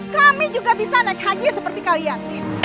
kami juga bisa naik haji seperti kalian